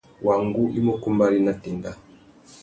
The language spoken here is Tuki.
Wăngú i mú kumbari nà téndá.